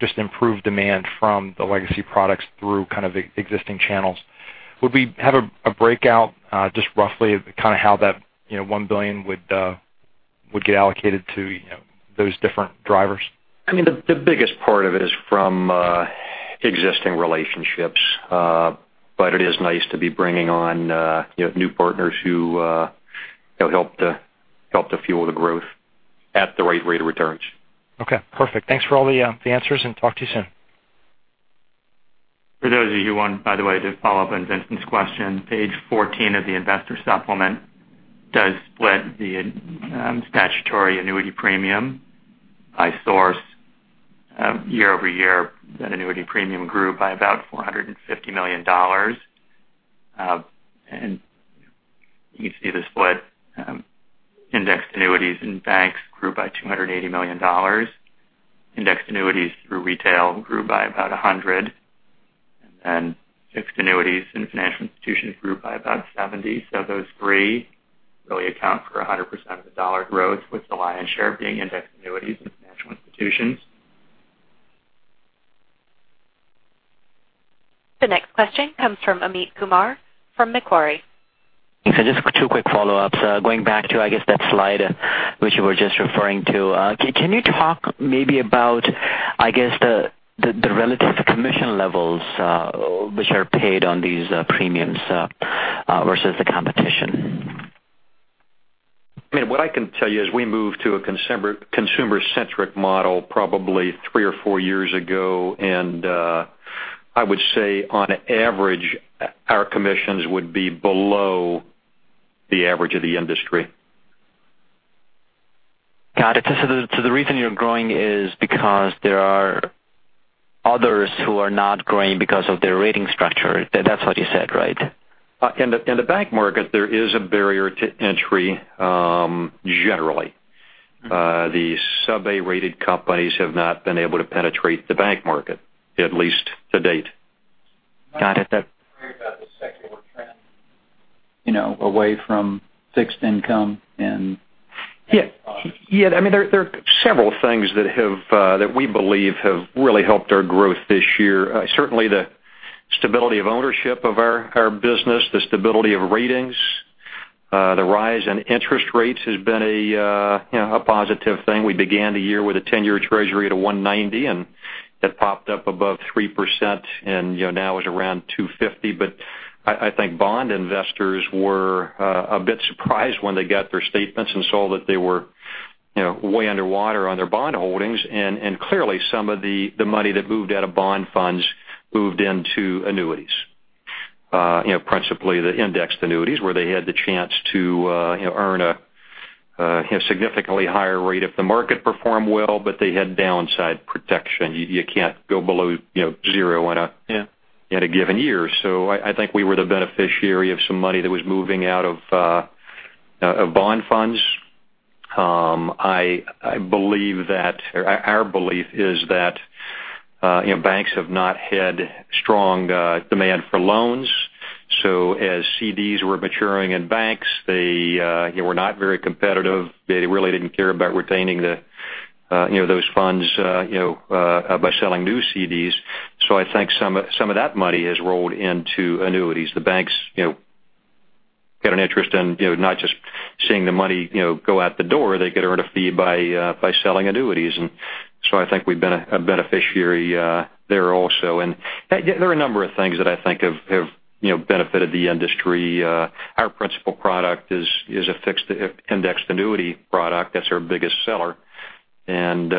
Speaker 9: just improved demand from the legacy products through kind of existing channels, would we have a breakout, just roughly kind of how that $1 billion would get allocated to those different drivers?
Speaker 4: The biggest part of it is from existing relationships. It is nice to be bringing on new partners who help to fuel the growth at the right rate of returns.
Speaker 9: Okay, perfect. Thanks for all the answers, talk to you soon.
Speaker 5: For those of you who want, by the way, to follow up on Vincent's question, page 14 of the investor supplement does split the statutory annuity premium by source year-over-year. That annuity premium grew by about $450 million. You can see the split. Indexed annuities in banks grew by $280 million. Indexed annuities through retail grew by about $100, then fixed annuities in financial institutions grew by about $70. Those three really account for 100% of the dollar growth, with the lion's share being indexed annuities with financial institutions.
Speaker 1: The next question comes from Amit Kumar from Macquarie.
Speaker 6: Just two quick follow-ups. Going back to, I guess, that slide which you were just referring to. Can you talk maybe about, I guess, the relative commission levels, which are paid on these premiums versus the competition?
Speaker 4: Amit, what I can tell you is we moved to a consumer-centric model probably three or four years ago, and I would say on average, our commissions would be below the average of the industry.
Speaker 6: Got it. The reason you're growing is because there are others who are not growing because of their rating structure. That's what you said, right?
Speaker 4: In the bank market, there is a barrier to entry, generally. The sub-A-rated companies have not been able to penetrate the bank market, at least to date.
Speaker 6: Got it. That-
Speaker 3: Worried about the secular trend away from fixed income and-
Speaker 4: Yeah. There are several things that we believe have really helped our growth this year. Certainly, the stability of ownership of our business, the stability of ratings, the rise in interest rates has been a positive thing. We began the year with a 10-year Treasury at a 1.90%, and it popped up above 3% and now is around 2.50%. I think bond investors were a bit surprised when they got their statements and saw that they were way underwater on their bond holdings, and clearly some of the money that moved out of bond funds moved into annuities. Principally, the indexed annuities where they had the chance to earn a significantly higher rate if the market performed well, but they had downside protection. You can't go below zero in a given year. I think we were the beneficiary of some money that was moving out of bond funds. Our belief is that banks have not had strong demand for loans. As CDs were maturing in banks, they were not very competitive. They really didn't care about retaining those funds by selling new CDs. I think some of that money has rolled into annuities. The banks got an interest in not just seeing the money go out the door. They could earn a fee by selling annuities, I think we've been a beneficiary there also. There are a number of things that I think have benefited the industry. Our principal product is a fixed indexed annuity product. That's our biggest seller. Sales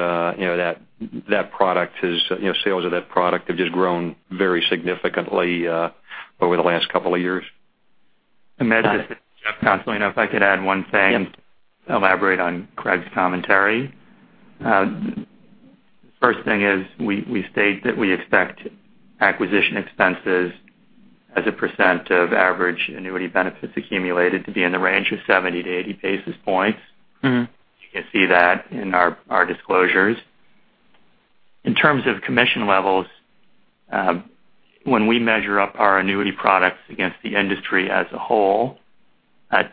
Speaker 4: of that product have just grown very significantly over the last couple of years.
Speaker 5: Amit, this is Jeff Consolino. If I could add one thing.
Speaker 6: Yep.
Speaker 5: Elaborate on Craig's commentary. First thing is we state that we expect acquisition expenses as a percent of average annuity benefits accumulated to be in the range of 70 to 80 basis points. You can see that in our disclosures. In terms of commission levels, when we measure up our annuity products against the industry as a whole,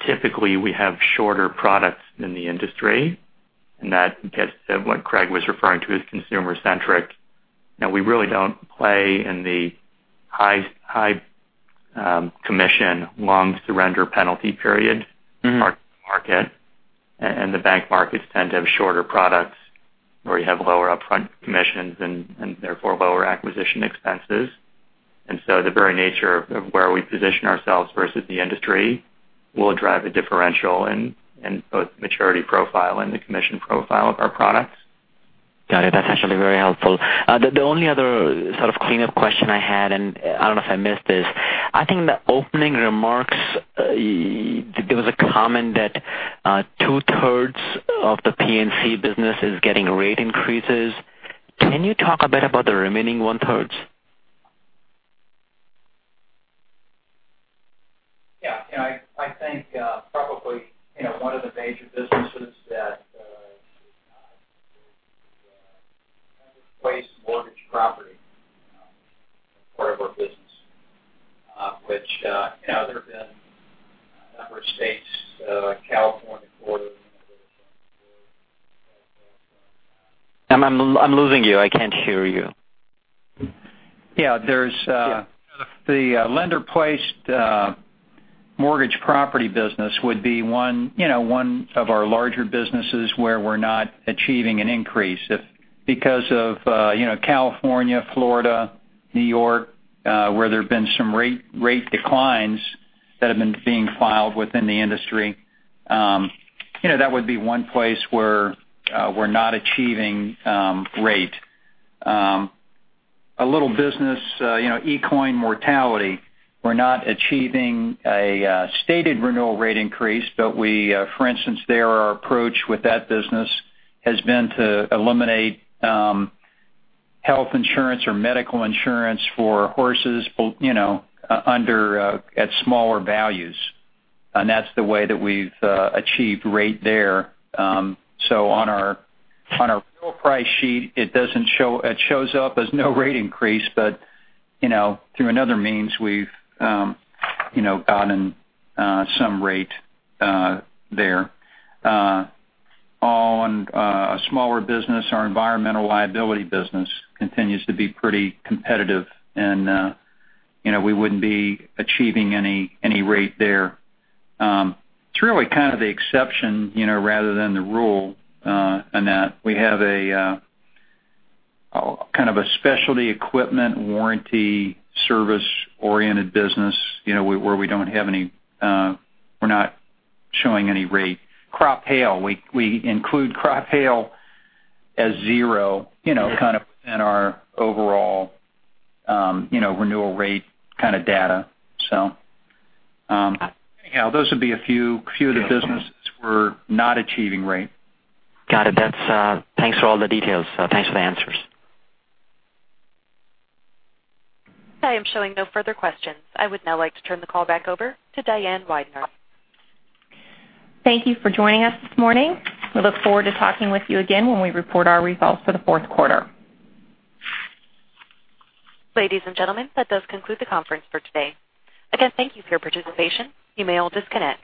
Speaker 5: typically, we have shorter products than the industry, that gets to what Craig was referring to as consumer-centric. Now, we really don't play in the high commission, long surrender penalty period market. The bank markets tend to have shorter products where you have lower upfront commissions and therefore lower acquisition expenses. The very nature of where we position ourselves versus the industry will drive a differential in both maturity profile and the commission profile of our products.
Speaker 6: Got it. That's actually very helpful. The only other sort of cleanup question I had, and I don't know if I missed this. I think in the opening remarks, there was a comment that two-thirds of the P&C business is getting rate increases. Can you talk a bit about the remaining one-third?
Speaker 3: Yeah. I think probably, one of the major businesses that place mortgage property part of our business, which there have been a number of states California, Florida
Speaker 6: I'm losing you. I can't hear you.
Speaker 3: Yeah. There's the lender-placed mortgage property business would be one of our larger businesses where we're not achieving an increase because of California, Florida, New York where there have been some rate declines that have been being filed within the industry. That would be one place where we're not achieving rate. A little business, Equine Mortality, we're not achieving a stated renewal rate increase. We, for instance, there, our approach with that business has been to eliminate health insurance or medical insurance for horses at smaller values. That's the way that we've achieved rate there. On our real price sheet, it shows up as no rate increase, but through another means, we've gotten some rate there. On a smaller business, our environmental liability business continues to be pretty competitive, and we wouldn't be achieving any rate there. It's really kind of the exception rather than the rule in that we have a kind of a Specialty Equipment Warranty service-oriented business where we're not showing any rate. Crop hail, we include crop hail as zero, kind of in our overall renewal rate kind of data. Those would be a few of the businesses we're not achieving rate.
Speaker 6: Got it. Thanks for all the details. Thanks for the answers.
Speaker 1: I am showing no further questions. I would now like to turn the call back over to Diane Weidner.
Speaker 2: Thank you for joining us this morning. We look forward to talking with you again when we report our results for the fourth quarter.
Speaker 1: Ladies and gentlemen, that does conclude the conference for today. Again, thank you for your participation. You may all disconnect.